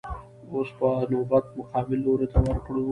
اوس به نوبت مقابل لور ته ورکړو.